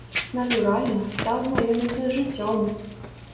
Натуральна, стаў знаёміцца з жыццём.